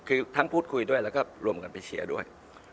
คือทั้งพูดคุยด้วยแล้วก็รวมกันไปเชียร์ด้วย